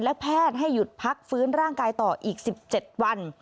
และแพทย์ให้หยุดพักฟื้นร่างกายต่ออีก๑๗วัน